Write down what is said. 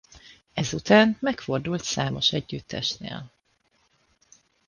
Ezután megfordult számos együttesnél.